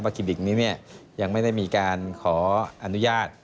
คลินิกนี้ยังไม่ได้มีการขออนุญาต